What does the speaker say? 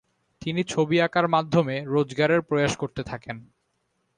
তিনি ছবি আঁকার মাধ্যমে রোজগারের প্রয়াস করতে থাকেন।